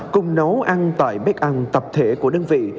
cùng nấu ăn tại bếp ăn tập thể của đơn vị